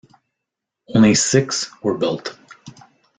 Only six were built.